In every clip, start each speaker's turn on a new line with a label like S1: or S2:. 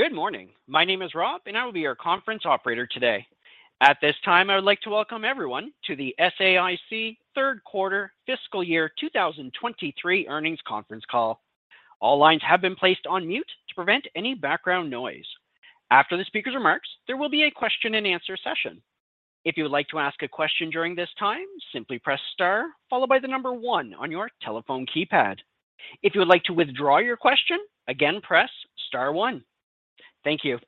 S1: Good morning. My name is Rob. I will be your conference operator today. At this time, I would like to welcome everyone to the SAIC third quarter fiscal year 2023 earnings conference call. All lines have been placed on mute to prevent any background noise. After the speaker's remarks, there will be a question and answer session. If you would like to ask a question during this time, simply press star followed by one on your telephone keypad. If you would like to withdraw your question, again, press star one. Thank you.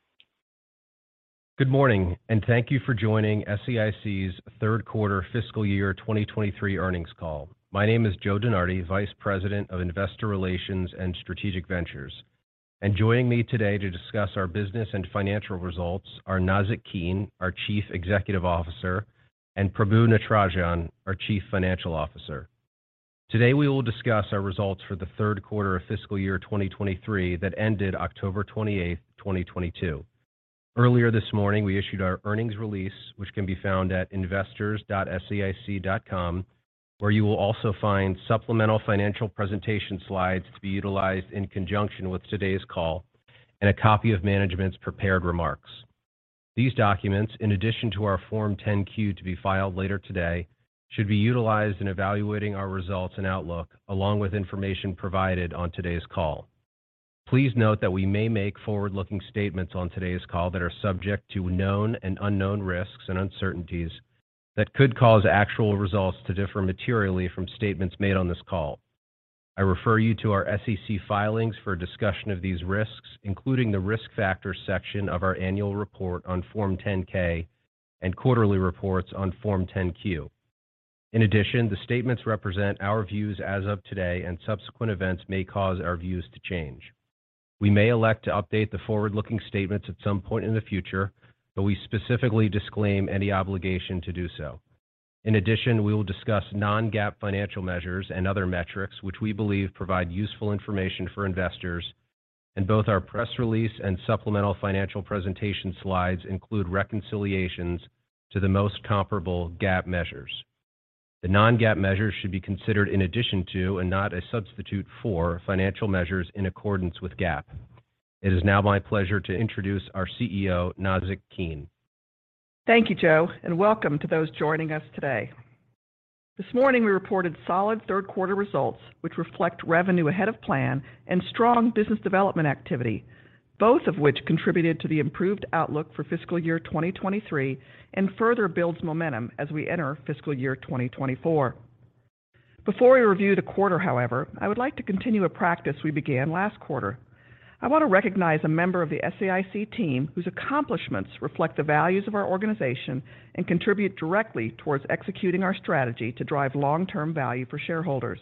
S2: Good morning. Thank you for joining SAIC's third quarter fiscal year 2023 earnings call. My name is Joe DeNardi, Vice President of Investor Relations and Strategic Ventures. Joining me today to discuss our business and financial results are Nazzic Keene, our Chief Executive Officer, and Prabu Natarajan, our Chief Financial Officer. Today, we will discuss our results for the third quarter of fiscal year 2023 that ended October 28, 2022. Earlier this morning, we issued our earnings release, which can be found at investors.SAIC.com, where you will also find supplemental financial presentation slides to be utilized in conjunction with today's call and a copy of management's prepared remarks. These documents, in addition to our Form 10-Q to be filed later today, should be utilized in evaluating our results and outlook along with information provided on today's call. Please note that we may make forward-looking statements on today's call that are subject to known and unknown risks and uncertainties that could cause actual results to differ materially from statements made on this call. I refer you to our SEC filings for a discussion of these risks, including the Risk Factors section of our Annual Report on Form 10-K and quarterly reports on Form 10-Q. The statements represent our views as of today. Subsequent events may cause our views to change. We may elect to update the forward-looking statements at some point in the future. We specifically disclaim any obligation to do so. We will discuss non-GAAP financial measures and other metrics which we believe provide useful information for investors. Both our press release and supplemental financial presentation slides include reconciliations to the most comparable GAAP measures. The non-GAAP measures should be considered in addition to and not a substitute for financial measures in accordance with GAAP. It is now my pleasure to introduce our CEO, Nazzic Keene.
S3: Thank you, Joe, and welcome to those joining us today. This morning, we reported solid third quarter results, which reflect revenue ahead of plan and strong business development activity, both of which contributed to the improved outlook for fiscal year 2023 and further builds momentum as we enter fiscal year 2024. Before we review the quarter, however, I would like to continue a practice we began last quarter. I want to recognize a member of the SAIC team whose accomplishments reflect the values of our organization and contribute directly towards executing our strategy to drive long-term value for shareholders.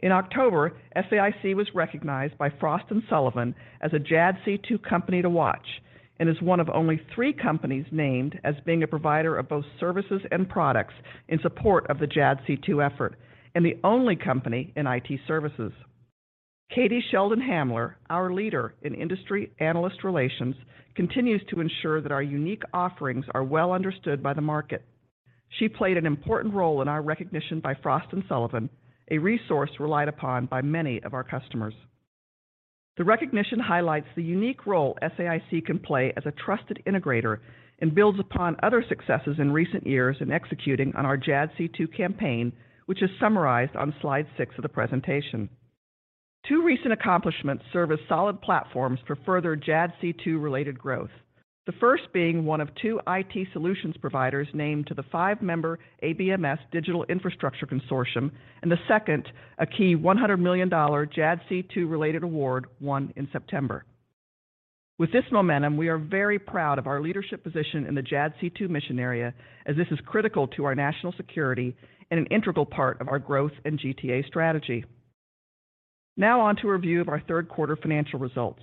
S3: In October, SAIC was recognized by Frost & Sullivan as a JADC2 company to watch and is one of only three companies named as being a provider of both services and products in support of the JADC2 effort and the only company in IT services. Katie Sheldon-Hamler, our leader in industry analyst relations, continues to ensure that our unique offerings are well understood by the market. She played an important role in our recognition by Frost & Sullivan, a resource relied upon by many of our customers. The recognition highlights the unique role SAIC can play as a trusted integrator and builds upon other successes in recent years in executing on our JADC2 campaign, which is summarized on slide six of the presentation. Two recent accomplishments serve as solid platforms for further JADC2-related growth. The first being one of two IT solutions providers named to the five-member ABMS Digital Infrastructure Consortium, and the second, a key $100 million JADC2-related award won in September. With this momentum, we are very proud of our leadership position in the JADC2 mission area as this is critical to our national security and an integral part of our growth and GTA strategy. On to a review of our third quarter financial results.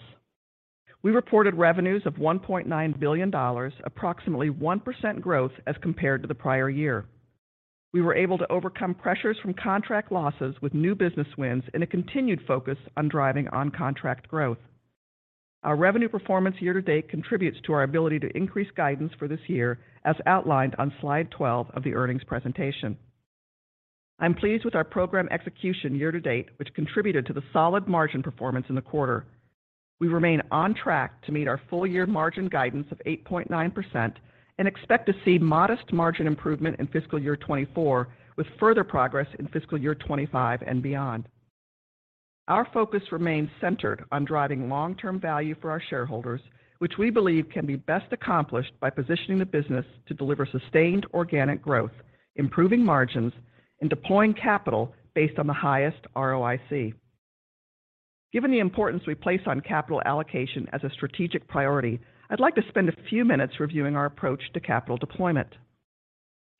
S3: We reported revenues of $1.9 billion, approximately 1% growth as compared to the prior year. We were able to overcome pressures from contract losses with new business wins and a continued focus on driving on-contract growth. Our revenue performance year to date contributes to our ability to increase guidance for this year, as outlined on slide 12 of the earnings presentation. I'm pleased with our program execution year to date, which contributed to the solid margin performance in the quarter. We remain on track to meet our full year margin guidance of 8.9% and expect to see modest margin improvement in fiscal year 2024, with further progress in fiscal year 2025 and beyond. Our focus remains centered on driving long-term value for our shareholders, which we believe can be best accomplished by positioning the business to deliver sustained organic growth, improving margins, and deploying capital based on the highest ROIC. Given the importance we place on capital allocation as a strategic priority, I'd like to spend a few minutes reviewing our approach to capital deployment.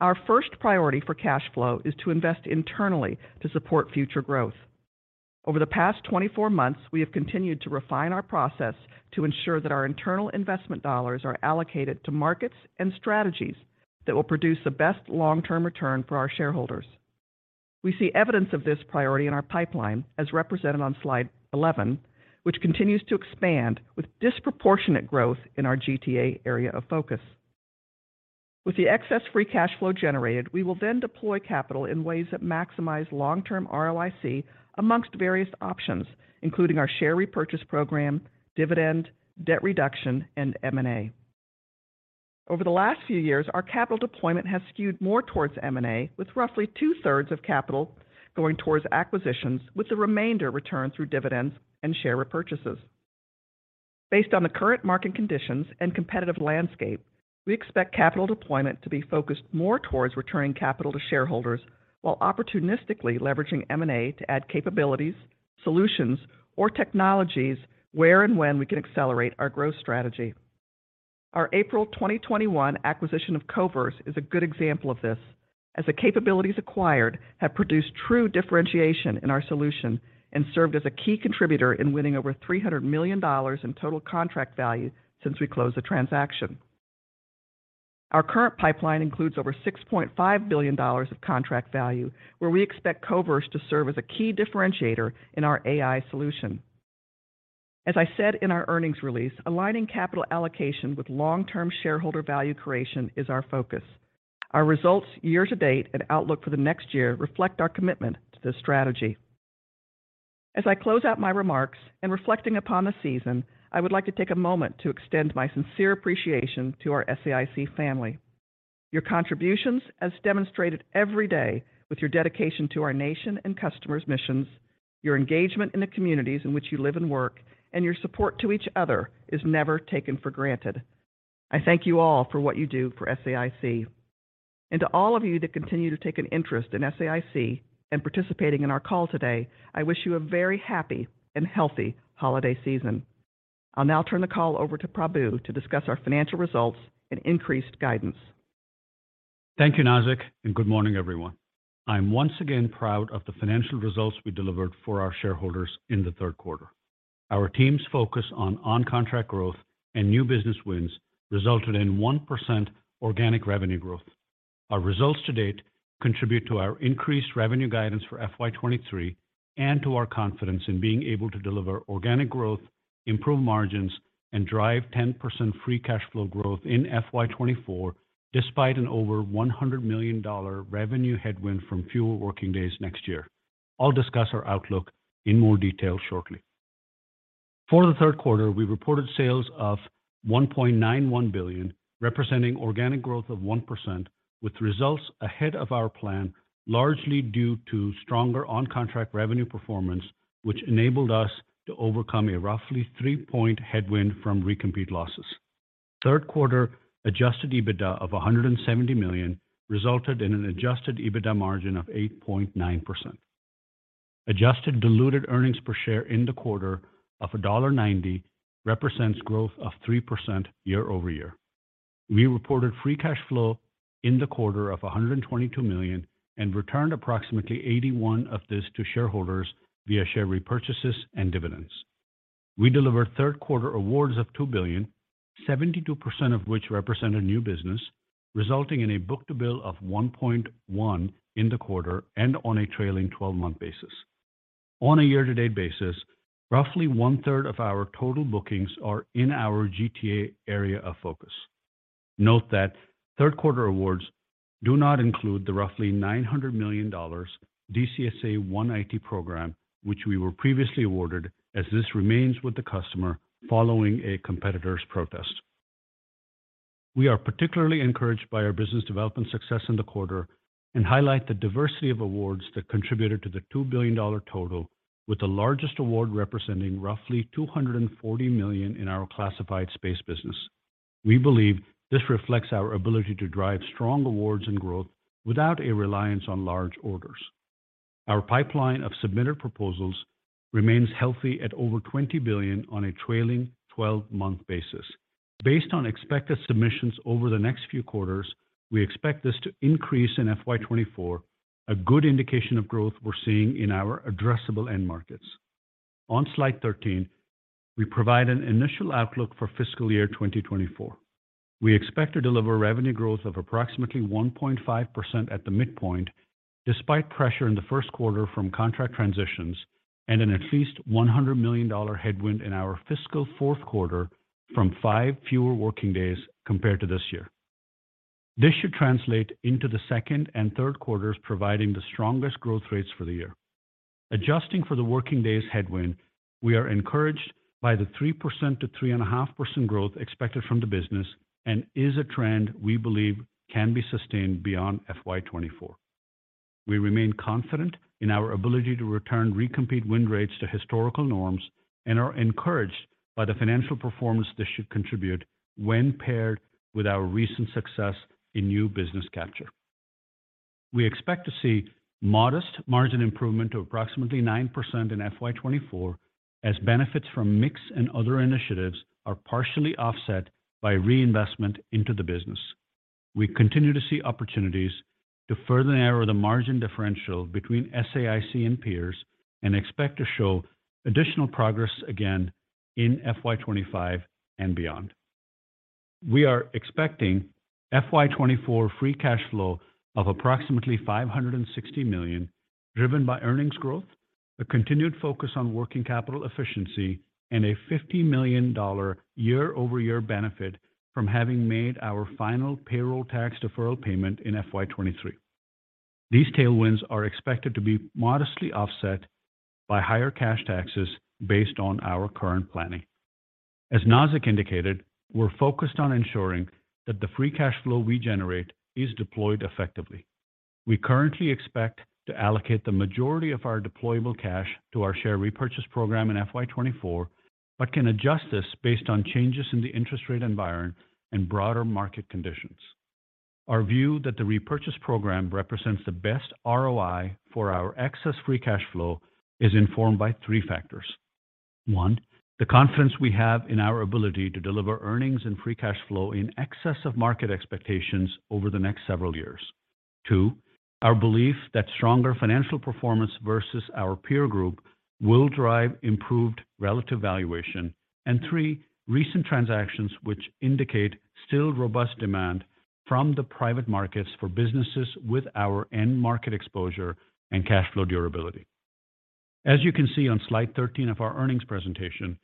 S3: Our first priority for cash flow is to invest internally to support future growth. Over the past 24 months, we have continued to refine our process to ensure that our internal investment dollars are allocated to markets and strategies that will produce the best long-term return for our shareholders. We see evidence of this priority in our pipeline as represented on slide 11, which continues to expand with disproportionate growth in our GTA area of focus. With the excess free cash flow generated, we will then deploy capital in ways that maximize long-term ROIC amongst various options, including our share repurchase program, dividend, debt reduction, and M&A. Over the last few years, our capital deployment has skewed more towards M&A, with roughly two-thirds of capital going towards acquisitions with the remainder returned through dividends and share repurchases. Based on the current market conditions and competitive landscape, we expect capital deployment to be focused more towards returning capital to shareholders while opportunistically leveraging M&A to add capabilities, solutions, or technologies where and when we can accelerate our growth strategy. Our April 2021 acquisition of Koverse is a good example of this, as the capabilities acquired have produced true differentiation in our solution and served as a key contributor in winning over $300 million in total contract value since we closed the transaction. Our current pipeline includes over $6.5 billion of contract value, where we expect Koverse to serve as a key differentiator in our AI solution. As I said in our earnings release, aligning capital allocation with long-term shareholder value creation is our focus. Our results year-to-date and outlook for the next year reflect our commitment to this strategy. As I close out my remarks and reflecting upon the season, I would like to take a moment to extend my sincere appreciation to our SAIC family. Your contributions, as demonstrated every day with your dedication to our nation and customers' missions, your engagement in the communities in which you live and work, and your support to each other is never taken for granted. I thank you all for what you do for SAIC. To all of you that continue to take an interest in SAIC and participating in our call today, I wish you a very happy and healthy holiday season. I'll now turn the call over to Prabu to discuss our financial results and increased guidance.
S4: Thank you, Nazzic. Good morning, everyone. I'm once again proud of the financial results we delivered for our shareholders in the third quarter. Our team's focus on on-contract growth and new business wins resulted in 1% organic revenue growth. Our results to date contribute to our increased revenue guidance for FY 2023 and to our confidence in being able to deliver organic growth, improve margins, and drive 10% free cash flow growth in FY 2024 despite an over $100 million revenue headwind from fewer working days next year. I'll discuss our outlook in more detail shortly. For the third quarter, we reported sales of $1.91 billion, representing organic growth of 1%, with results ahead of our plan, largely due to stronger on-contract revenue performance, which enabled us to overcome a roughly three-point headwind from recompete losses. Third quarter adjusted EBITDA of $170 million resulted in an adjusted EBITDA margin of 8.9%. Adjusted diluted earnings per share in the quarter of $1.90 represents growth of 3% year-over-year. We reported free cash flow in the quarter of $122 million and returned approximately $81 million of this to shareholders via share repurchases and dividends. We delivered third-quarter awards of $2 billion, 72% of which represented new business, resulting in a book-to-bill of 1.1 in the quarter and on a trailing twelve-month basis. On a year-to-date basis, roughly one-third of our total bookings are in our GTA area of focus. Note that third-quarter awards do not include the roughly $900 million DCSA One IT program, which we were previously awarded, as this remains with the customer following a competitor's protest. We are particularly encouraged by our business development success in the quarter and highlight the diversity of awards that contributed to the $2 billion total, with the largest award representing roughly $240 million in our classified space business. We believe this reflects our ability to drive strong awards and growth without a reliance on large orders. Our pipeline of submitted proposals remains healthy at over $20 billion on a trailing twelve-month basis. Based on expected submissions over the next few quarters, we expect this to increase in FY 2024, a good indication of growth we're seeing in our addressable end markets. On slide 13, we provide an initial outlook for Fiscal Year 2024. We expect to deliver revenue growth of approximately 1.5% at the midpoint, despite pressure in the first quarter from contract transitions and an at least $100 million headwind in our fiscal fourth quarter from five fewer working days compared to this year. This should translate into the second and third quarters, providing the strongest growth rates for the year. Adjusting for the working days headwind, we are encouraged by the 3%-3.5% growth expected from the business and is a trend we believe can be sustained beyond FY 2024. We remain confident in our ability to return recompete win rates to historical norms and are encouraged by the financial performance this should contribute when paired with our recent success in new business capture. We expect to see modest margin improvement of approximately 9% in FY 2024 as benefits from mix and other initiatives are partially offset by reinvestment into the business. We continue to see opportunities to further narrow the margin differential between SAIC and peers and expect to show additional progress again in FY 2025 and beyond. We are expecting FY 2024 free cash flow of approximately $560 million, driven by earnings growth and continued focus on working capital efficiency and a $50 million year-over-year benefit from having made our final payroll tax deferral payment in FY 2023. These tailwinds are expected to be modestly offset by higher cash taxes based on our current planning. As Nazzic indicated, we're focused on ensuring that the free cash flow we generate is deployed effectively. We currently expect to allocate the majority of our deployable cash to our share repurchase program in FY 2024, but can adjust this based on changes in the interest rate environment and broader market conditions. Our view that the repurchase program represents the best ROI for our excess free cash flow is informed by three factors. One, the confidence we have in our ability to deliver earnings and free cash flow in excess of market expectations over the next several years. Two, our belief that stronger financial performance versus our peer group will drive improved relative valuation. Three, recent transactions which indicate still robust demand from the private markets for businesses with our end market exposure and cash flow durability. As you can see on slide 13 of our earnings presentation,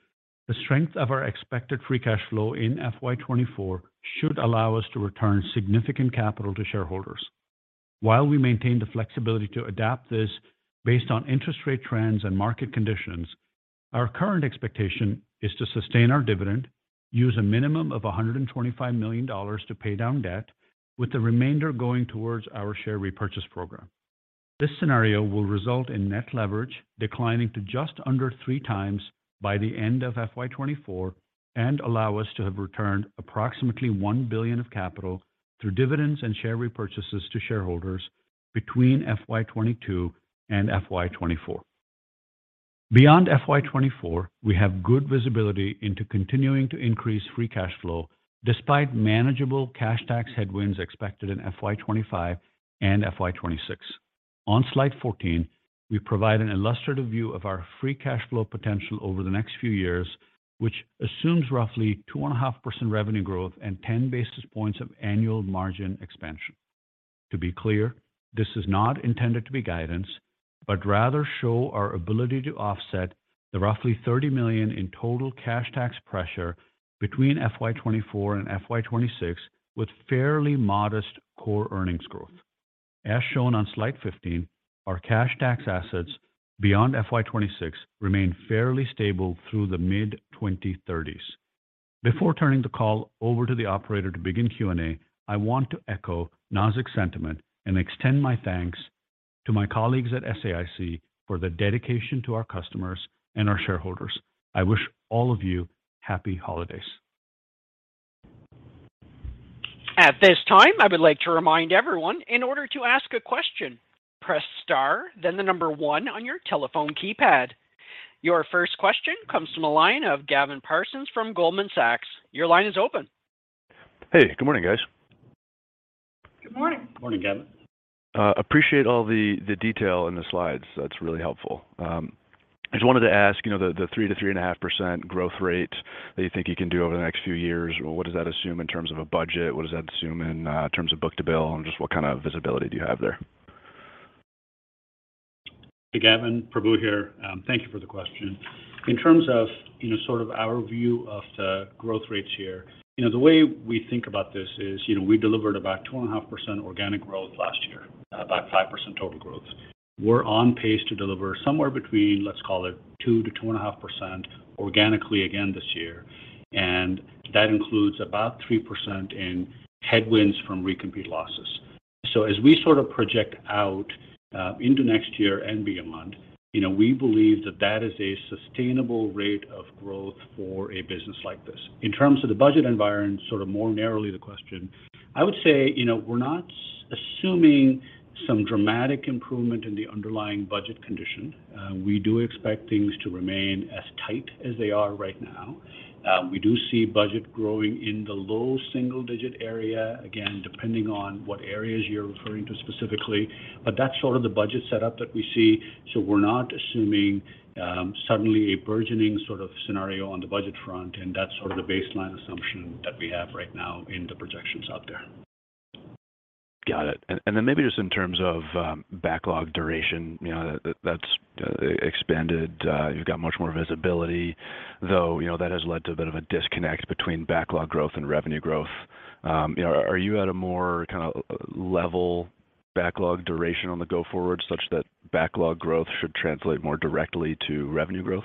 S4: the strength of our expected free cash flow in FY 2024 should allow us to return significant capital to shareholders. While we maintain the flexibility to adapt this based on interest rate trends and market conditions, our current expectation is to sustain our dividend, use a minimum of $125 million to pay down debt, with the remainder going towards our share repurchase program. This scenario will result in net leverage declining to just under 3x by the end of FY 2024 and allow us to have returned approximately $1 billion of capital through dividends and share repurchases to shareholders between FY 2022 and FY 2024. Beyond FY 2024, we have good visibility into continuing to increase free cash flow despite manageable cash tax headwinds expected in FY 2025 and FY 2026. On slide 14, we provide an illustrative view of our free cash flow potential over the next few years, which assumes roughly 2.5% revenue growth and 10 basis points of annual margin expansion. To be clear, this is not intended to be guidance, but rather show our ability to offset the roughly $30 million in total cash tax pressure between FY 2024 and FY 2026 with fairly modest core earnings growth. As shown on slide 15, our cash tax assets beyond FY 2026 remain fairly stable through the mid-2030s. Before turning the call over to the operator to begin Q&A, I want to echo Nazzic's sentiment and extend my thanks to my colleagues at SAIC for the dedication to our customers and our shareholders. I wish all of you happy holidays.
S1: At this time, I would like to remind everyone in order to ask a question, press star, then one on your telephone keypad. Your first question comes from a line of Gavin Parsons from Goldman Sachs. Your line is open.
S5: Hey, good morning, guys.
S3: Good morning.
S6: Morning, Gavin.
S5: Appreciate all the detail in the slides. That's really helpful. I just wanted to ask, you know, the 3%-3.5% growth rate that you think you can do over the next few years, what does that assume in terms of a budget? What does that assume in terms of book-to-bill? Just what kind of visibility do you have there?
S4: Gavin, Prahu here. Thank you for the question. In terms of, you know, sort of our view of the growth rates here, you know, the way we think about this is, you know, we delivered about 2.5% organic growth last year, about 5% total growth. We're on pace to deliver somewhere between, let's call it 2%-2.5% organically again this year, and that includes about 3% in headwinds from recompete losses. As we sort of project out into next year and beyond, you know, we believe that that is a sustainable rate of growth for a business like this. In terms of the budget environment, sort of more narrowly the question, I would say, you know, we're not assuming some dramatic improvement in the underlying budget condition. We do expect things to remain as tight as they are right now. We do see budget growing in the low single-digit area. Again, depending on what areas you're referring to specifically. That's sort of the budget set up that we see. We're not assuming suddenly a burgeoning sort of scenario on the budget front, That's sort of the baseline assumption that we have right now in the projections out there.
S5: Got it. Then maybe just in terms of backlog duration, you know, that's expanded, you've got much more visibility. You know, that has led to a bit of a disconnect between backlog growth and revenue growth. Are you at a more kind of level backlog duration on the go forward such that backlog growth should translate more directly to revenue growth?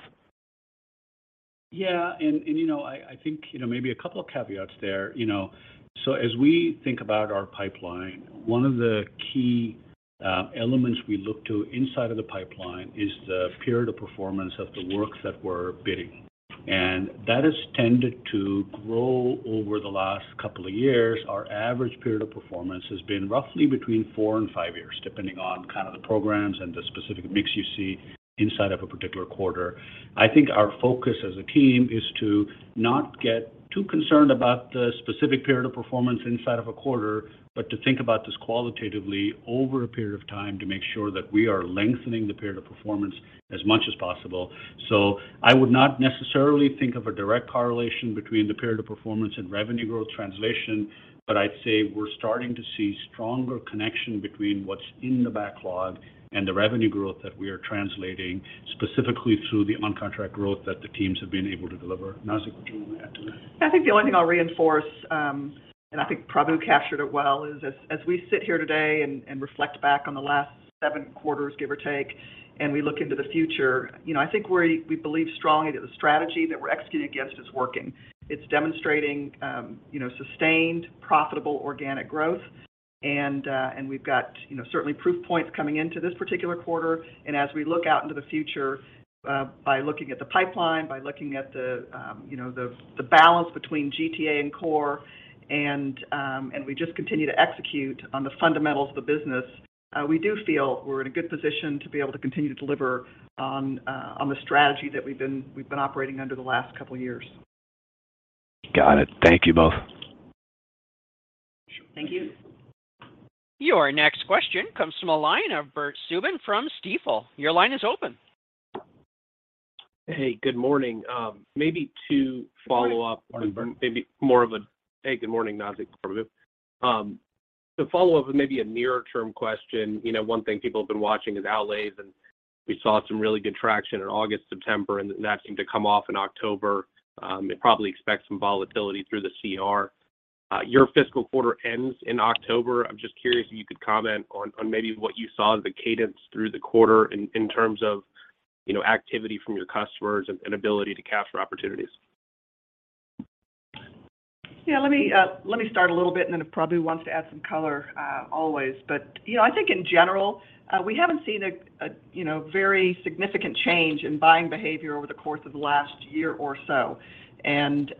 S4: Yeah. You know, I think, you know, maybe a couple of caveats there, you know. As we think about our pipeline, one of the key elements we look to inside of the pipeline is the period of performance of the works that we're bidding. That has tended to grow over the last couple of years. Our average period of performance has been roughly between four and five years, depending on kind of the programs and the specific mix you see inside of a particular quarter. I think our focus as a team is to not get too concerned about the specific period of performance inside of a quarter, but to think about this qualitatively over a period of time to make sure that we are lengthening the period of performance. I would not necessarily think of a direct correlation between the period of performance and revenue growth translation, but I'd say we're starting to see stronger connection between what's in the backlog and the revenue growth that we are translating specifically through the on-contract growth that the teams have been able to deliver. Nazzic, would you want to add to that?
S3: I think the only thing I'll reinforce, and I think Prabu captured it well, is as we sit here today and reflect back on the last seven quarters, give or take, and we look into the future. You know, I think we believe strongly that the strategy that we're executing against is working. It's demonstrating, you know, sustained profitable organic growth. We've got, you know, certainly proof points coming into this particular quarter. As we look out into the future, by looking at the pipeline, by looking at the, you know, the balance between GTA and core and, we just continue to execute on the fundamentals of the business, we do feel we're in a good position to be able to continue to deliver on the strategy that we've been operating under the last couple of years.
S5: Got it. Thank you both.
S4: Sure.
S3: Thank you.
S1: Your next question comes from a line of Bert Subin from Stifel. Your line is open.
S7: Hey, good morning.
S4: Good morning.
S7: Hey, good morning, Nazzic and Prabu. To follow up with maybe a near-term question. You know, one thing people have been watching is outlays, and we saw some really good traction in August, September, and that seemed to come off in October. Probably expect some volatility through the CR. Your fiscal quarter ends in October. I'm just curious if you could comment on maybe what you saw as the cadence through the quarter in terms of, you know, activity from your customers and ability to capture opportunities.
S3: Let me, let me start a little bit and then if Prabu wants to add some color, always. You know, I think in general, we haven't seen a, you know, very significant change in buying behavior over the course of the last year or so. And,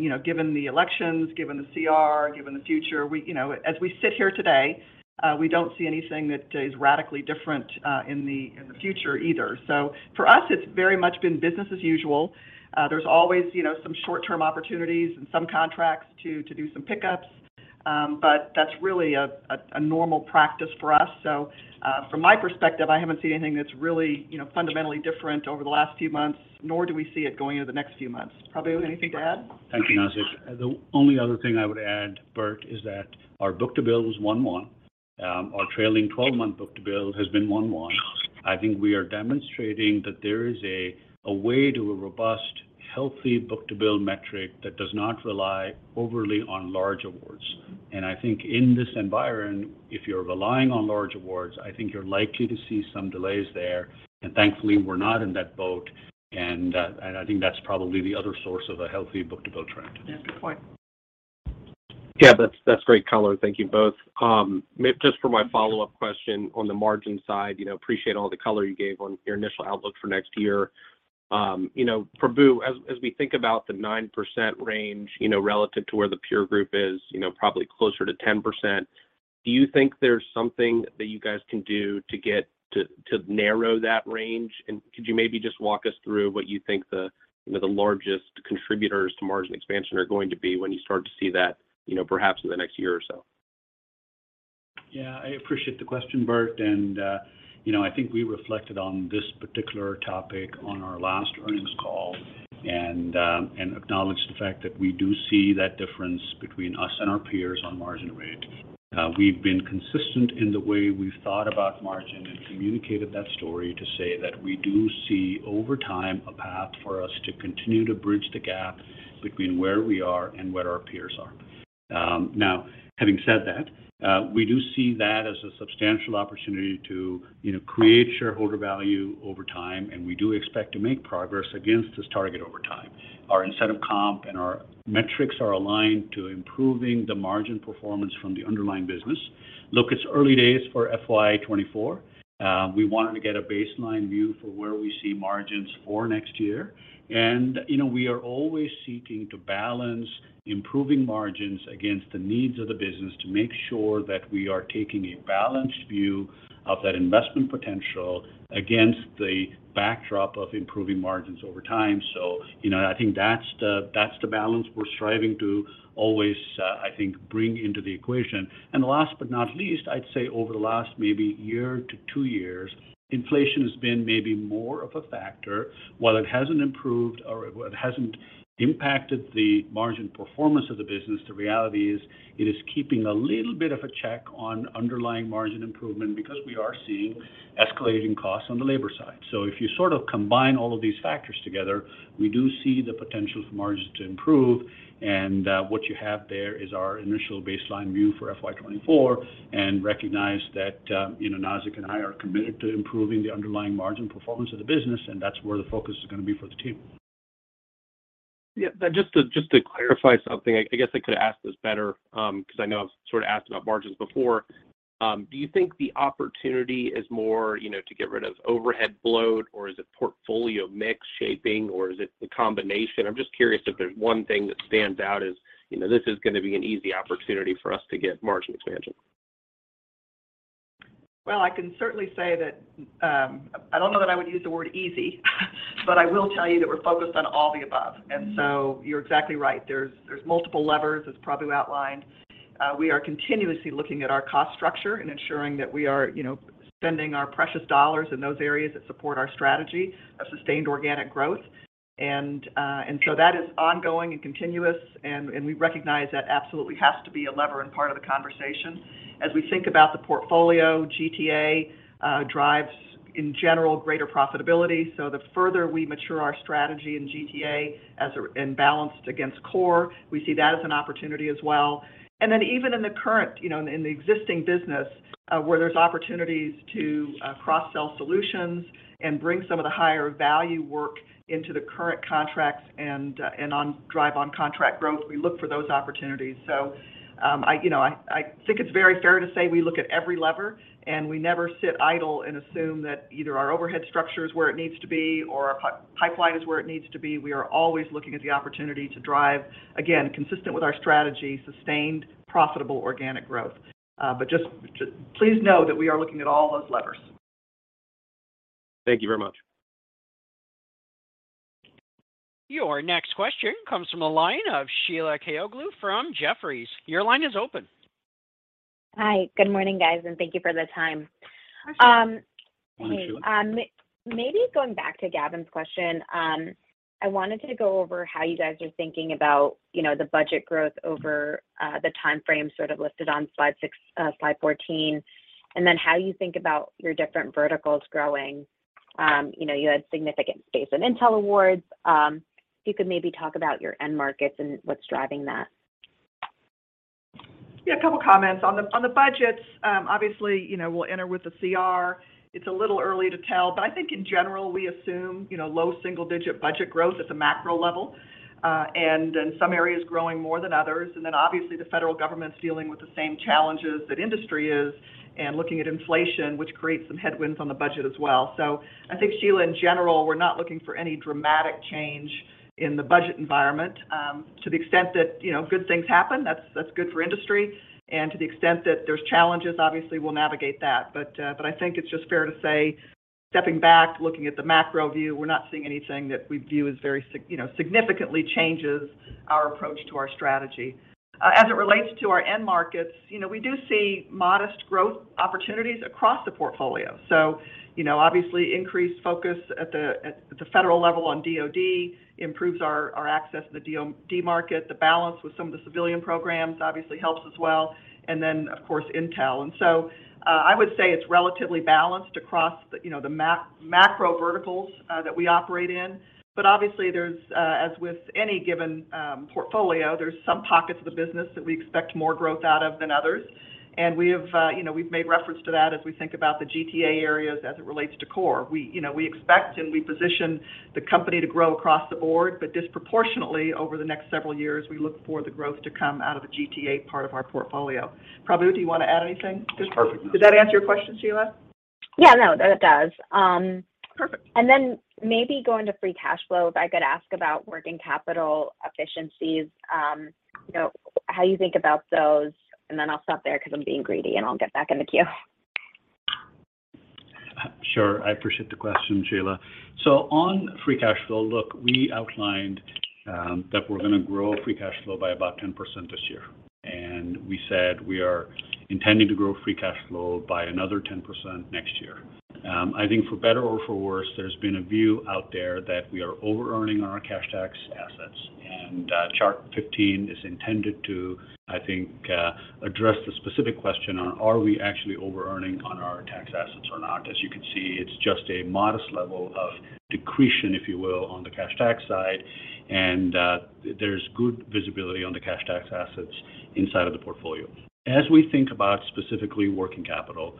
S3: you know, given the elections, given the CR, given the future, we, you know, as we sit here today, we don't see anything that is radically different, in the, in the future either. For us, it's very much been business as usual. There's always, you know, some short-term opportunities and some contracts to do some pickups. That's really a normal practice for us. From my perspective, I haven't seen anything that's really, you know, fundamentally different over the last few months, nor do we see it going into the next few months. Prabu, anything to add?
S4: Thank you, Nazzic. The only other thing I would add, Bert, is that our book-to-bill was 1.1. Our trailing 12-month book-to-bill has been 1.1. I think we are demonstrating that there is a way to a robust, healthy book-to-bill metric that does not rely overly on large awards. I think in this environment, if you're relying on large awards, I think you're likely to see some delays there. Thankfully, we're not in that boat. I think that's probably the other source of a healthy book-to-bill trend.
S3: Yeah. Good point.
S7: Yeah, that's great color. Thank you both. Just for my follow-up question on the margin side, you know, appreciate all the color you gave on your initial outlook for next year. You know, Prabu, as we think about the 9% range, you know, relative to where the peer group is, you know, probably closer to 10%, do you think there's something that you guys can do to narrow that range? Could you maybe just walk us through what you think the, you know, the largest contributors to margin expansion are going to be when you start to see that, you know, perhaps in the next year or so?
S4: Yeah. I appreciate the question, Bert. You know, I think we reflected on this particular topic on our last earnings call and acknowledged the fact that we do see that difference between us and our peers on margin rate. We've been consistent in the way we've thought about margin and communicated that story to say that we do see over time a path for us to continue to bridge the gap between where we are and where our peers are. Now having said that, we do see that as a substantial opportunity to, you know, create shareholder value over time, and we do expect to make progress against this target over time. Our incentive comp and our metrics are aligned to improving the margin performance from the underlying business. Look, it's early days for FY 2024. We wanted to get a baseline view for where we see margins for next year. You know, we are always seeking to balance improving margins against the needs of the business to make sure that we are taking a balanced view of that investment potential against the backdrop of improving margins over time. You know, I think that's the, that's the balance we're striving to always, I think, bring into the equation. Last but not least, I'd say over the last maybe year to two years, inflation has been maybe more of a factor. While it hasn't improved or it hasn't impacted the margin performance of the business, the reality is it is keeping a little bit of a check on underlying margin improvement because we are seeing escalating costs on the labor side. If you sort of combine all of these factors together, we do see the potential for margins to improve. What you have there is our initial baseline view for FY 2024 and recognize that, you know, Nazzic and I are committed to improving the underlying margin performance of the business, and that's where the focus is gonna be for the team.
S7: Yeah. Just to clarify something, I guess I could ask this better, 'cause I know I've sort of asked about margins before. Do you think the opportunity is more, you know, to get rid of overhead bloat, or is it portfolio mix shaping, or is it the combination? I'm just curious if there's one thing that stands out as, you know, this is gonna be an easy opportunity for us to get margin expansion.
S3: I can certainly say that, I don't know that I would use the word easy, but I will tell you that we're focused on all the above. You're exactly right. There's multiple levers, as Prabu outlined. We are continuously looking at our cost structure and ensuring that we are, you know, spending our precious dollars in those areas that support our strategy of sustained organic growth. That is ongoing and continuous, and we recognize that absolutely has to be a lever and part of the conversation. As we think about the portfolio, GTA drives, in general, greater profitability. The further we mature our strategy in GTA and balanced against core, we see that as an opportunity as well. Even in the current, you know, in the existing business, where there's opportunities to cross-sell solutions and bring some of the higher value work into the current contracts and drive on contract growth, we look for those opportunities. I, you know, I think it's very fair to say we look at every lever, and we never sit idle and assume that either our overhead structure is where it needs to be or our pipeline is where it needs to be. We are always looking at the opportunity to drive, again, consistent with our strategy, sustained, profitable organic growth. Just please know that we are looking at all those levers.
S7: Thank you very much.
S1: Your next question comes from the line of Sheila Kahyaoglu from Jefferies. Your line is open.
S8: Hi. Good morning, guys, and thank you for the time.
S3: Hi, Sheila.
S4: Morning, Sheila.
S8: Maybe going back to Gavin's question, I wanted to go over how you guys are thinking about, you know, the budget growth over the timeframe sort of listed on slide 14, and then how you think about your different verticals growing. you know, you had significant space in Intel awards. If you could maybe talk about your end markets and what's driving that.
S3: A couple comments. On the, on the budgets, obviously, you know, we'll enter with the CR. It's a little early to tell, but I think in general, we assume, you know, low single-digit budget growth at the macro level, and then some areas growing more than others. Obviously the federal government's dealing with the same challenges that industry is and looking at inflation, which creates some headwinds on the budget as well. I think, Sheila, in general, we're not looking for any dramatic change in the budget environment. To the extent that, you know, good things happen, that's good for industry, and to the extent that there's challenges, obviously, we'll navigate that. I think it's just fair to say, stepping back, looking at the macro view, we're not seeing anything that we view as very you know, significantly changes our approach to our strategy. As it relates to our end markets, you know, we do see modest growth opportunities across the portfolio. You know, obviously increased focus at the, at the federal level on DoD improves our access to the DoD market. The balance with some of the civilian programs obviously helps as well, and then, of course, Intel. I would say it's relatively balanced across the, you know, the macro verticals that we operate in. Obviously there's as with any given portfolio, there's some pockets of the business that we expect more growth out of than others. We have, you know, we've made reference to that as we think about the GTA areas as it relates to core. We, you know, we expect and we position the company to grow across the board, but disproportionately over the next several years, we look for the growth to come out of the GTA part of our portfolio. Prabu, do you want to add anything?
S4: That's perfect.
S3: Did that answer your question, Sheila?
S8: Yeah, no, that does.
S3: Perfect.
S8: Maybe going to free cash flow, if I could ask about working capital efficiencies, you know, how you think about those, and then I'll stop there because I'm being greedy, and I'll get back in the queue.
S4: I appreciate the question, Sheila. On free cash flow, look, we outlined that we're gonna grow free cash flow by about 10% this year, and we said we are intending to grow free cash flow by another 10% next year. I think for better or for worse, there's been a view out there that we are overearning on our cash tax assets, and chart 15 is intended to, I think, address the specific question on are we actually overearning on our tax assets or not? As you can see, it's just a modest level of decreation, if you will, on the cash tax side, and there's good visibility on the cash tax assets inside of the portfolio. As we think about specifically working capital,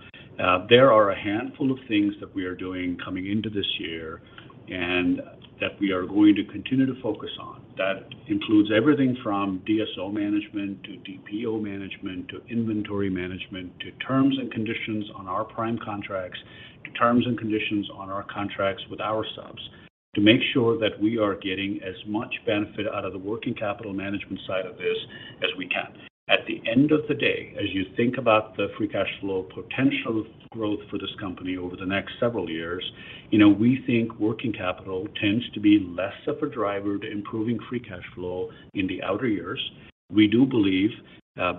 S4: there are a handful of things that we are doing coming into this year and that we are going to continue to focus on. That includes everything from DSO management to DPO management to inventory management to terms and conditions on our prime contracts, to terms and conditions on our contracts with our subs to make sure that we are getting as much benefit out of the working capital management side of this as we can. At the end of the day, as you think about the free cash flow potential growth for this company over the next several years, you know, we think working capital tends to be less of a driver to improving free cash flow in the outer years. We do believe,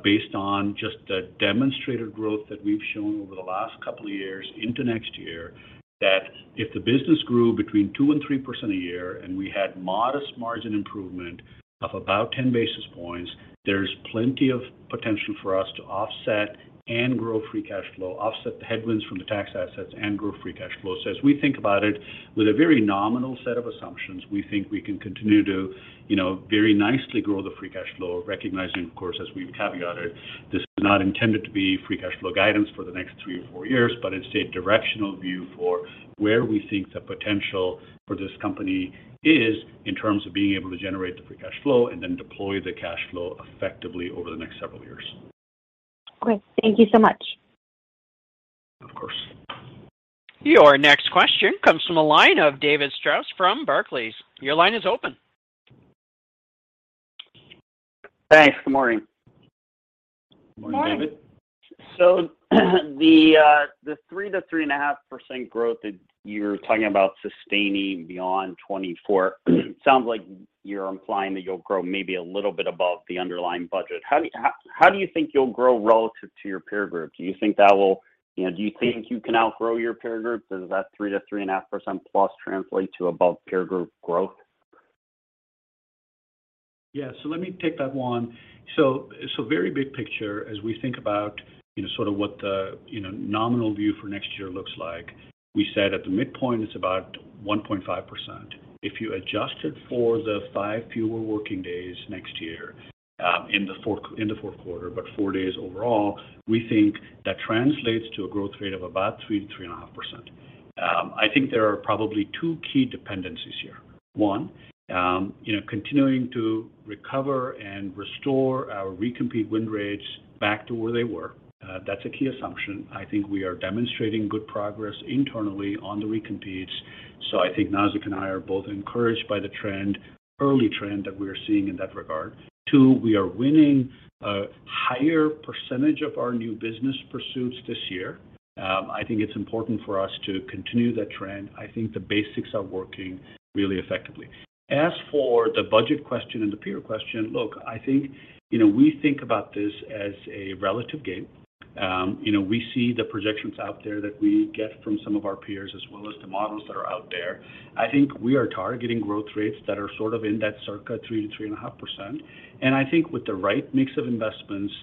S4: based on just the demonstrated growth that we've shown over the last couple of years into next year, that if the business grew between 2% and 3% a year and we had modest margin improvement of about 10 basis points, there's plenty of potential for us to offset and grow free cash flow, offset the headwinds from the tax assets and grow free cash flow. As we think about it with a very nominal set of assumptions, we think we can continue to, you know, very nicely grow the free cash flow, recognizing, of course, as we've caveated, this is not intended to be free cash flow guidance for the next three or four years, but it's a directional view for where we think the potential for this company is in terms of being able to generate the free cash flow and then deploy the cash flow effectively over the next several years.
S8: Great. Thank you so much.
S4: Of course.
S1: Your next question comes from the line of David Strauss from Barclays. Your line is open.
S6: Thanks. Good morning.
S3: Morning.
S4: Morning, David.
S6: The 3%-3.5% growth that you're talking about sustaining beyond 2024 sounds like you're implying that you'll grow maybe a little bit above the underlying budget. How do you think you'll grow relative to your peer group? Do you think that will, you know, do you think you can outgrow your peer group? Does that 3%-3.5% plus translate to above peer group growth?
S4: Let me take that one. So very big picture as we think about, you know, sort of what the, you know, nominal view for next year looks like. We said at the midpoint it's about 1.5%. If you adjusted for the five fewer working days next year, in the fourth quarter, but four days overall, we think that translates to a growth rate of about 3%-3.5%. I think there are probably two key dependencies here. One, you know, continuing to recover and restore our recompete win rates back to where they were. That's a key assumption. I think we are demonstrating good progress internally on the recompetes, so I think Nazzic and I are both encouraged by the trend, early trend that we are seeing in that regard. Two, we are winning a higher percentage of our new business pursuits this year. I think it's important for us to continue that trend. I think the basics are working really effectively. As for the budget question and the peer question, look, I think, you know, we think about this as a relative game. you know, we see the projections out there that we get from some of our peers as well as the models that are out there. I think we are targeting growth rates that are sort of in that circa 3%-3.5%. I think with the right mix of investments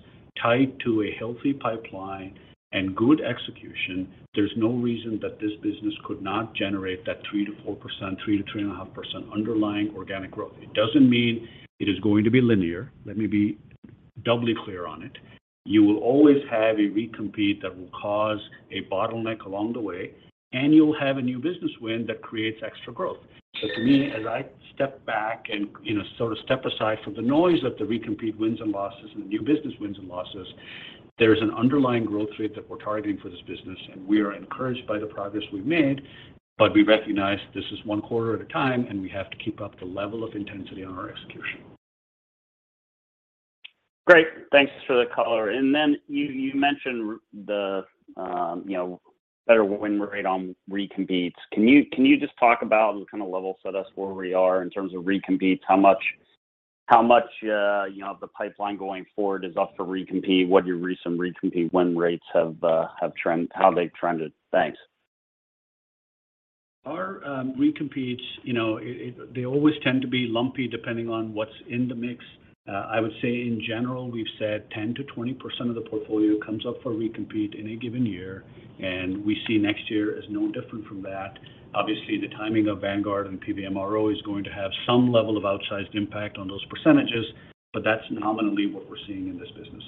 S4: tied to a healthy pipeline and good execution, there's no reason that this business could not generate that 3%-4%, 3%-3.5% underlying organic growth. It doesn't mean it is going to be linear. Let me be doubly clear on it. You will always have a recompete that will cause a bottleneck along the way, and you'll have a new business win that creates extra growth. For me, as I step back and, you know, sort of step aside from the noise of the recompete wins and losses and the new business wins and losses, there's an underlying growth rate that we're targeting for this business, and we are encouraged by the progress we've made, but we recognize this is one quarter at a time, and we have to keep up the level of intensity on our execution.
S6: Great. Thanks for the color. You mentioned the, you know, better win rate on recompetes. Can you just talk about and kind of level set us where we are in terms of recompetes? How much, you know, of the pipeline going forward is up for recompete? What your recent recompete win rates have trended? Thanks.
S4: Our recompetes, you know, they always tend to be lumpy depending on what's in the mix. I would say in general, we've said 10%-20% of the portfolio comes up for recompete in a given year. We see next year as no different from that. Obviously, the timing of Vanguard and PBMRO is going to have some level of outsized impact on those percentages. That's nominally what we're seeing in this business.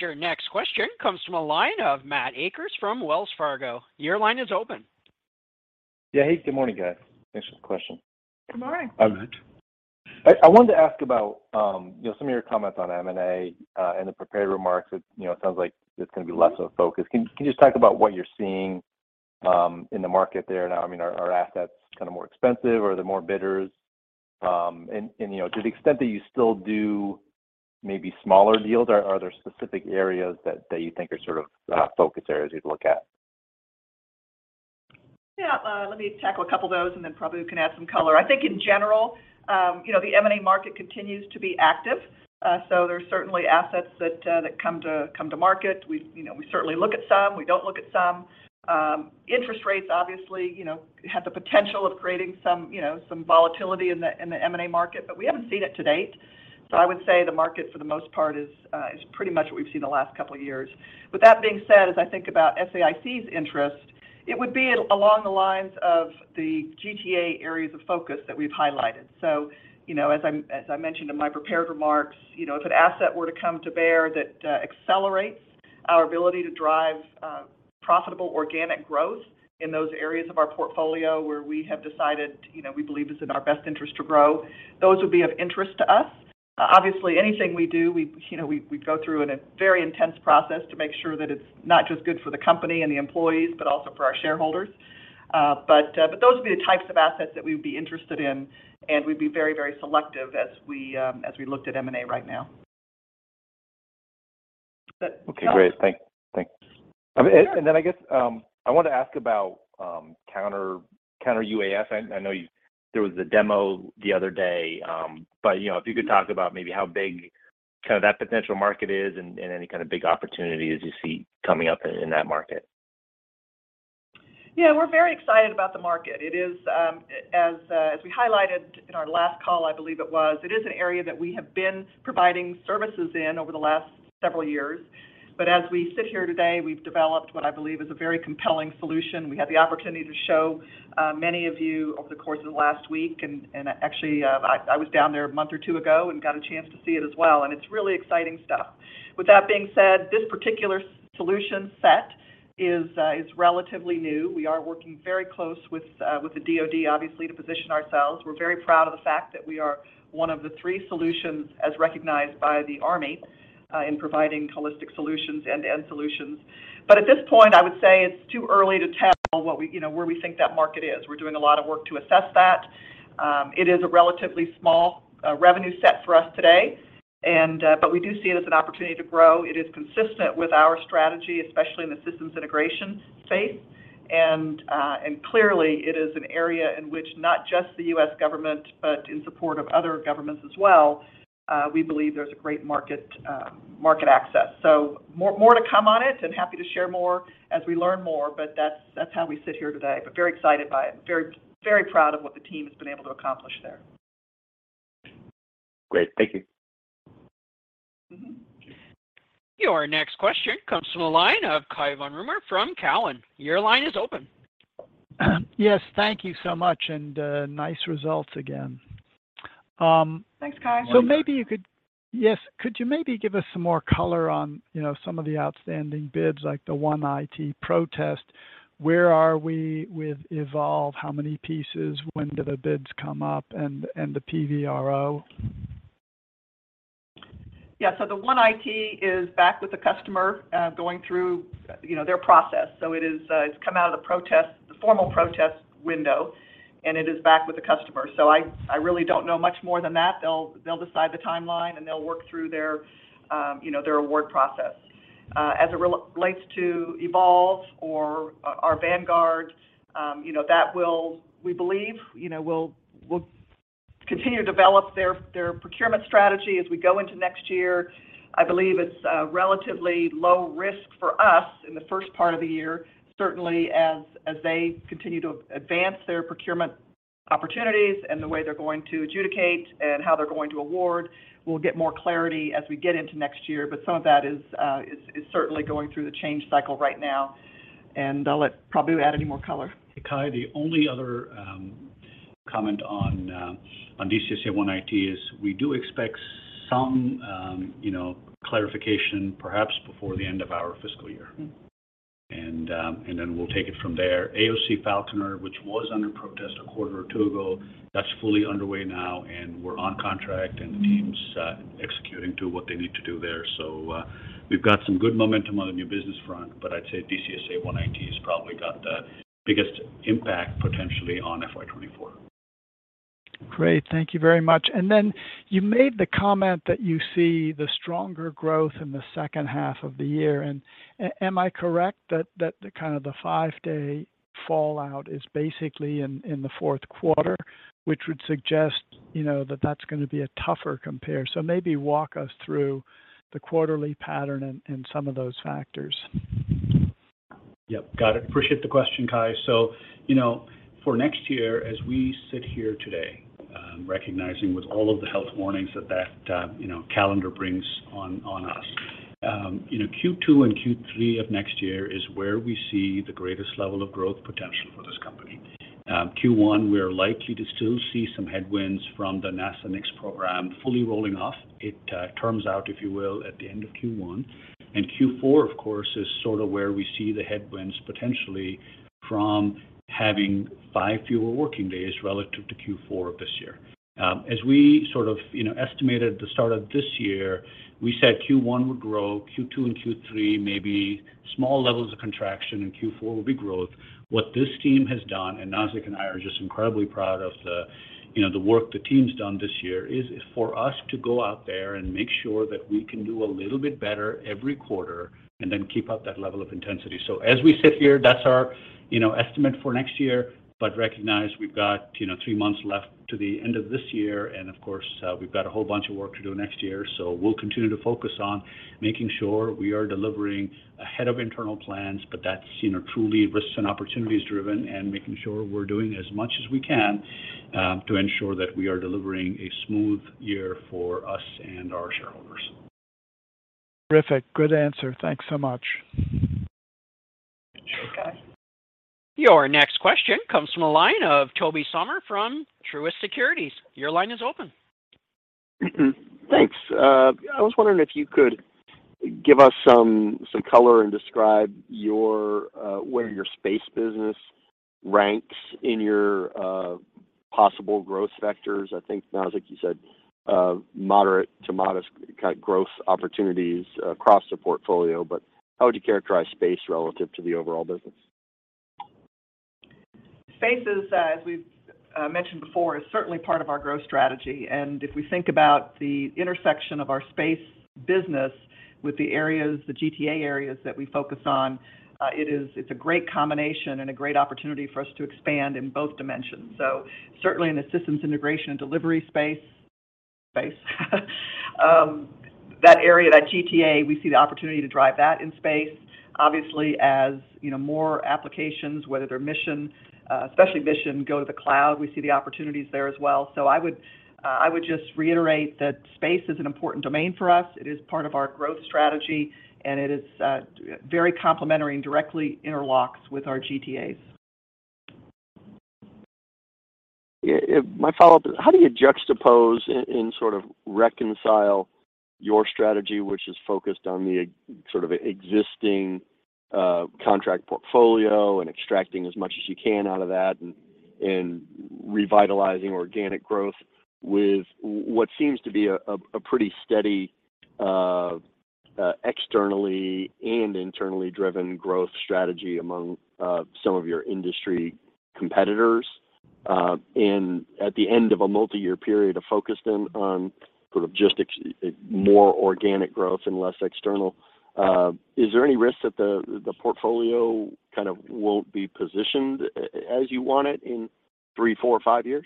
S1: Your next question comes from a line of Matthew Akers from Wells Fargo. Your line is open.
S9: Hey, good morning, guys. Thanks for the question.
S3: Good morning.
S4: Hi, Matt.
S9: I wanted to ask about, you know, some of your comments on M&A in the prepared remarks. It, you know, sounds like it's gonna be less of a focus. Can you just talk about what you're seeing in the market there now? I mean, are assets kinda more expensive? Are there more bidders? And, you know, to the extent that you still do maybe smaller deals, are there specific areas that you think are sort of, focus areas you'd look at?
S3: Yeah. Let me tackle a couple of those, and then probably we can add some color. I think in general, you know, the M&A market continues to be active. There's certainly assets that come to market. We, you know, we certainly look at some. We don't look at some. Interest rates obviously, you know, have the potential of creating some, you know, some volatility in the M&A market, but we haven't seen it to date. I would say the market for the most part is pretty much what we've seen the last couple of years. With that being said, as I think about SAIC's interest, it would be along the lines of the GTA areas of focus that we've highlighted. You know, as I mentioned in my prepared remarks, you know, if an asset were to come to bear that accelerates our ability to drive profitable organic growth in those areas of our portfolio where we have decided, you know, we believe is in our best interest to grow, those would be of interest to us. Obviously, anything we do, we, you know, we go through in a very intense process to make sure that it's not just good for the company and the employees, but also for our shareholders. Those would be the types of assets that we'd be interested in, and we'd be very, very selective as we looked at M&A right now.
S9: Okay. Great. Thanks.
S3: Sure.
S9: I guess I wanted to ask about counter UAS. I know there was a demo the other day, you know, if you could talk about maybe how big kind of that potential market is and any kind of big opportunities you see coming up in that market?
S3: Yeah. We're very excited about the market. It is, as we highlighted in our last call, I believe it was, it is an area that we have been providing services in over the last several years. As we sit here today, we've developed what I believe is a very compelling solution. We had the opportunity to show many of you over the course of last week. Actually, I was down there a month or two ago and got a chance to see it as well, and it's really exciting stuff. With that being said, this particular solution set is relatively new. We are working very close with the DoD, obviously, to position ourselves. We're very proud of the fact that we are one of the three solutions as recognized by the Army, in providing holistic solutions, end-to-end solutions. At this point, I would say it's too early to tell you know, where we think that market is. We're doing a lot of work to assess that. It is a relatively small revenue set for us today. We do see it as an opportunity to grow. It is consistent with our strategy, especially in the systems integration space. Clearly it is an area in which not just the U.S. government, but in support of other governments as well, we believe there's a great market access. More, more to come on it and happy to share more as we learn more, but that's how we sit here today. Very excited by it. Very proud of what the team has been able to accomplish there.
S9: Great. Thank you.
S3: Mm-hmm.
S1: Your next question comes from the line of Cai von Rumohr from Cowen. Your line is open.
S10: Yes, thank you so much and, nice results again.
S3: Thanks, Cai.
S10: Maybe you could. Yes. Could you maybe give us some more color on, you know, some of the outstanding bids like the One IT protest? Where are we with Evolve? How many pieces? When do the bids come up and the PBMRO?
S3: Yeah. The One IT is back with the customer, going through, you know, their process. It is, it's come out of the protest, the formal protest window, and it is back with the customer. I really don't know much more than that. They'll decide the timeline, and they'll work through their, you know, their award process. As it relates to Evolve or our Vanguard, you know, we believe, you know, will continue to develop their procurement strategy as we go into next year. I believe it's relatively low risk for us in the first part of the year. Certainly as they continue to advance their procurement opportunities and the way they're going to adjudicate and how they're going to award, we'll get more clarity as we get into next year. Some of that is certainly going through the change cycle right now. I'll let Prabu add any more color.
S4: Cai, the only other comment on DCSA One IT is we do expect some, you know, clarification perhaps before the end of our fiscal year.
S3: Mm-hmm.
S4: We'll take it from there. AOC Falconer, which was under protest a quarter or two ago, that's fully underway now, and we're on contract, and the team's executing to what they need to do there. We've got some good momentum on the new business front, but I'd say DCSA One IT has probably got the biggest impact potentially on FY 2024.
S10: Great. Thank you very much. Then you made the comment that you see the stronger growth in the second half of the year. Am I correct that the kind of the five-day fallout is basically in the fourth quarter, which would suggest, you know, that that's gonna be a tougher compare? Maybe walk us through the quarterly pattern and some of those factors.
S4: Yep. Got it. Appreciate the question, Cai. You know, for next year, as we sit here today, recognizing with all of the health warnings that, you know, calendar brings on us. You know, Q2 and Q3 of next year is where we see the greatest level of growth potential for this company. Q1, we're likely to still see some headwinds from the NASA Next program fully rolling off. It terms out, if you will, at the end of Q1. Q4, of course, is sort of where we see the headwinds potentially from having five fewer working days relative to Q4 of this year. As we sort of, you know, estimated at the start of this year, we said Q1 would grow, Q2 and Q3, maybe small levels of contraction, and Q4 will be growth. What this team has done, and Nazzic and I are just incredibly proud of the, you know, the work the team's done this year, is for us to go out there and make sure that we can do a little bit better every quarter and then keep up that level of intensity. As we sit here, that's our, you know, estimate for next year. Recognize we've got, you know, three months left to the end of this year, and of course, we've got a whole bunch of work to do next year. We'll continue to focus on making sure we are delivering ahead of internal plans, but that's, you know, truly risks and opportunities driven and making sure we're doing as much as we can to ensure that we are delivering a smooth year for us and our shareholders.
S10: Terrific. Good answer. Thanks so much.
S3: Thank you, Cai.
S1: Your next question comes from the line of Tobey Sommer from Truist Securities. Your line is open.
S11: Thanks. I was wondering if you could give us some color and describe your, where your space business ranks in your, possible growth vectors. I think, Nazzic, you said, moderate to modest growth opportunities across the portfolio, but how would you characterize space relative to the overall business?
S3: Space is, as we've mentioned before, is certainly part of our growth strategy. If we think about the intersection of our space business with the areas, the GTA areas that we focus on, it is, it's a great combination and a great opportunity for us to expand in both dimensions. Certainly in the systems integration and delivery space, that area, that GTA, we see the opportunity to drive that in space. Obviously, as, you know, more applications, whether they're mission, especially mission, go to the cloud, we see the opportunities there as well. I would, I would just reiterate that space is an important domain for us. It is part of our growth strategy, and it is, very complementary and directly interlocks with our GTAs.
S11: Yeah. My follow-up is how do you juxtapose and sort of reconcile your strategy, which is focused on the sort of existing, contract portfolio and extracting as much as you can out of that and revitalizing organic growth with what seems to be a pretty steady. Externally and internally driven growth strategy among some of your industry competitors, and at the end of a multiyear period of focusing on sort of just more organic growth and less external. Is there any risk that the portfolio kind of won't be positioned as you want it in three, four, five years?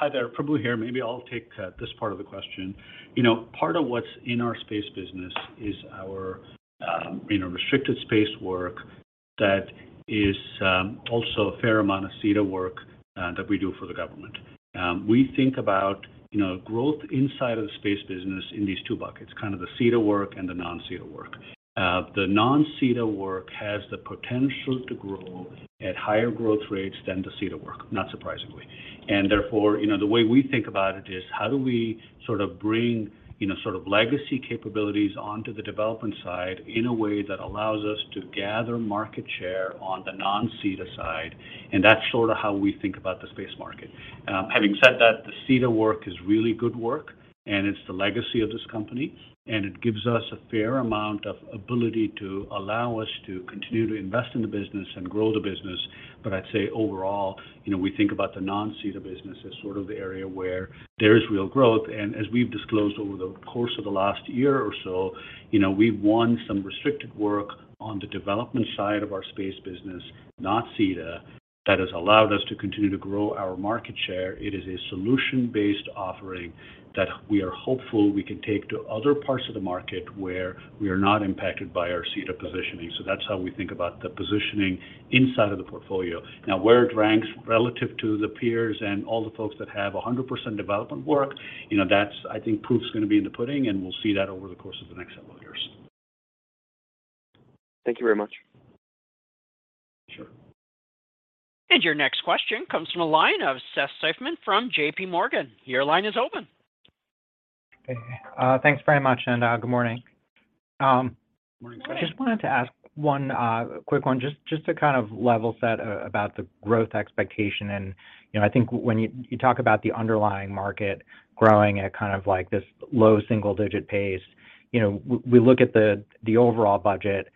S4: Hi there. Prabu here. Maybe I'll take this part of the question. You know, part of what's in our space business is our, you know, restricted space work that is also a fair amount of CETA work that we do for the government. We think about, you know, growth inside of the space business in these two buckets, kind of the CETA work and the non-CETA work. The non-CETA work has the potential to grow at higher growth rates than the CETA work, not surprisingly. Therefore, you know, the way we think about it is how do we sort of bring, you know, sort of legacy capabilities onto the development side in a way that allows us to gather market share on the non-CETA side, and that's sort of how we think about the space market. Having said that, the CETA work is really good work. It's the legacy of this company. It gives us a fair amount of ability to allow us to continue to invest in the business and grow the business. I'd say overall, you know, we think about the non-CETA business as sort of the area where there is real growth. As we've disclosed over the course of the last year or so, you know, we won some restricted work on the development side of our space business, not CETA, that has allowed us to continue to grow our market share. It is a solution-based offering that we are hopeful we can take to other parts of the market where we are not impacted by our CETA positioning. That's how we think about the positioning inside of the portfolio. Now, where it ranks relative to the peers and all the folks that have 100% development work, you know, that's... I think proof's gonna be in the pudding, and we'll see that over the course of the next several years.
S11: Thank you very much.
S4: Sure.
S1: Your next question comes from the line of Seth Seifman from JPMorgan. Your line is open.
S12: Hey. Thanks very much, and, good morning.
S4: Morning.
S12: Just wanted to ask one quick one just to kind of level set about the growth expectation. You know, I think when you talk about the underlying market growing at kind of like this low single-digit pace, you know, we look at the overall budget,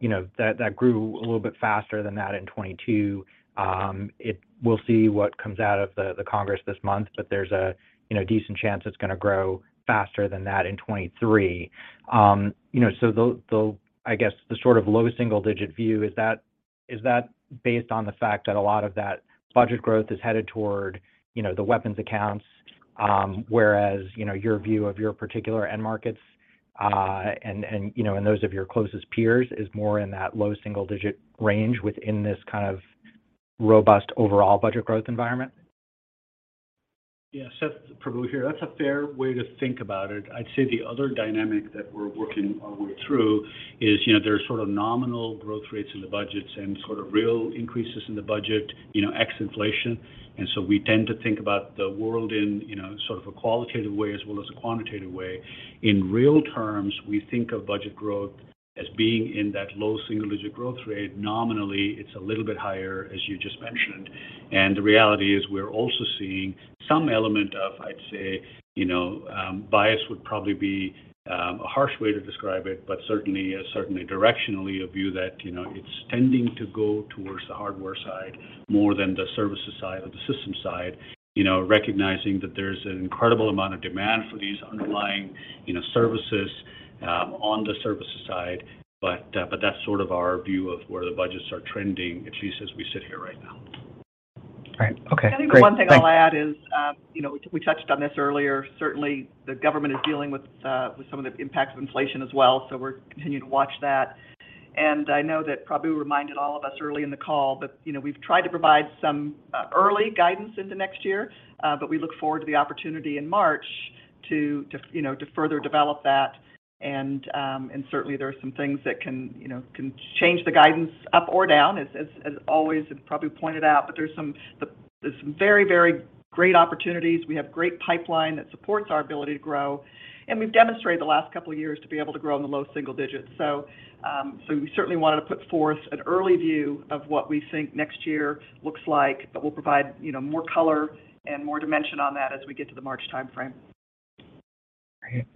S12: you know, that grew a little bit faster than that in 2022. We'll see what comes out of the Congress this month, but there's a, you know, decent chance it's gonna grow faster than that in 2023. You know, the, I guess, the sort of low single-digit view, is that, is that based on the fact that a lot of that budget growth is headed toward, you know, the weapons accounts, whereas, you know, your view of your particular end markets, and, you know, and those of your closest peers is more in that low single-digit range within this kind of robust overall budget growth environment?
S4: Yeah. Seth, Prabu here. That's a fair way to think about it. I'd say the other dynamic that we're working our way through is, you know, there's sort of nominal growth rates in the budgets and sort of real increases in the budget, you know, ex inflation. We tend to think about the world in, you know, sort of a qualitative way as well as a quantitative way. In real terms, we think of budget growth as being in that low single-digit growth rate. Nominally, it's a little bit higher, as you just mentioned. The reality is we're also seeing some element of, I'd say, you know, bias would probably be a harsh way to describe it, but certainly directionally a view that, you know, it's tending to go towards the hardware side more than the services side or the system side. You know, recognizing that there's an incredible amount of demand for these underlying, you know, services, on the services side, but that's sort of our view of where the budgets are trending, at least as we sit here right now.
S12: Right. Okay. Great. Thank you.
S3: I think the one thing I'll add is, you know, we touched on this earlier. Certainly, the government is dealing with some of the impacts of inflation as well. We're continuing to watch that. I know that Prabu reminded all of us early in the call that, you know, we've tried to provide some early guidance into next year, but we look forward to the opportunity in March to, you know, to further develop that. Certainly there are some things that can, you know, can change the guidance up or down as always, as Prabu pointed out. There's some very great opportunities. We have great pipeline that supports our ability to grow. We've demonstrated the last couple of years to be able to grow in the low single digits. We certainly wanted to put forth an early view of what we think next year looks like. We'll provide, you know, more color and more dimension on that as we get to the March timeframe.
S12: Great.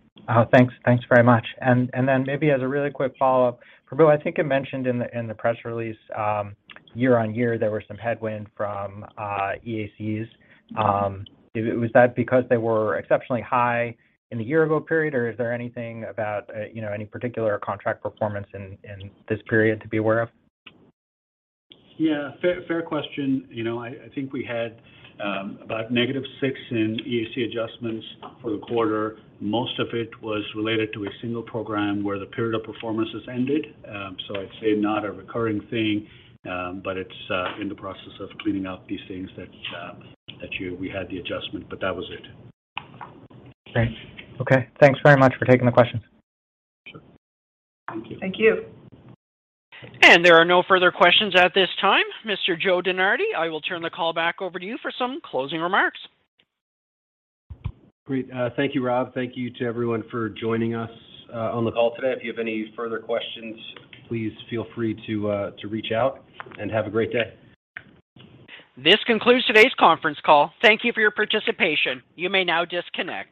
S12: thanks very much. Then maybe as a really quick follow-up, Prabu, I think you mentioned in the press release, year-over-year, there were some headwind from EACs. Was that because they were exceptionally high in the year-ago period, or is there anything about, you know, any particular contract performance in this period to be aware of?
S4: Fair, fair question. You know, I think we had about -6 in EAC adjustments for the quarter. Most of it was related to a single program where the period of performance has ended. I'd say not a recurring thing, but it's in the process of cleaning up these things that we had the adjustment, but that was it.
S12: Great. Okay. Thanks very much for taking the questions.
S4: Sure. Thank you.
S3: Thank you.
S1: There are no further questions at this time. Mr. Joe DeNardi, I will turn the call back over to you for some closing remarks.
S2: Great. Thank you, Rob. Thank you to everyone for joining us on the call today. If you have any further questions, please feel free to reach out. Have a great day.
S1: This concludes today's conference call. Thank you for your participation. You may now disconnect.